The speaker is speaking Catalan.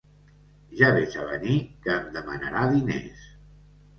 Ja veig a venir que em demanarà diners.